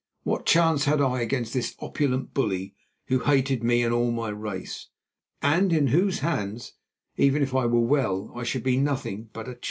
What chance had I against this opulent bully who hated me and all my race, and in whose hands, even if I were well, I should be nothing but a child?